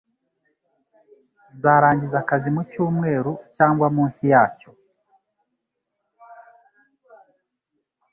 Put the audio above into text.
Nzarangiza akazi mu cyumweru cyangwa munsi yacyo.